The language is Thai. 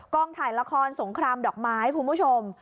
ถ่ายละครสงครามดอกไม้คุณผู้ชม